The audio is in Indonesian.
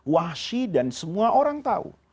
wahsyi dan semua orang tahu